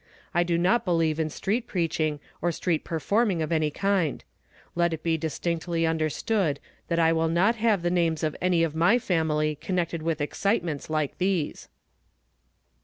I do not believe in street preaching, or street performing of any kind. Let it be distinctly understood that I will not have the na.nes of any of my family connected witli excitements like these."